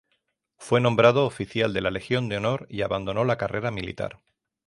Fue nombrado Oficial de la Legión de Honor y abandonó la carrera militar.